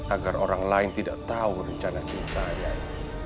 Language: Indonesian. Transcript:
agar orang lain tidak tahu rencana kita nyai